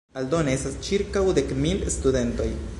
Aldone estas ĉirkaŭ dek mil studentoj.